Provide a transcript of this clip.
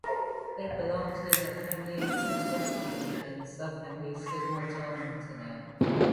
They belong to the Family Cricetidae and Subfamily Sigmodontinae.